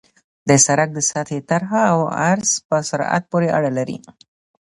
د سرک د سطحې طرح او عرض په سرعت پورې اړه لري